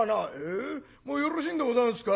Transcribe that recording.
「えもうよろしいんでございますか？